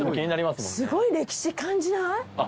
すごい歴史感じない？